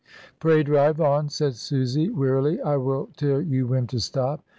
"Pray drive on," said Susy wearily, "I will tell you when to stop."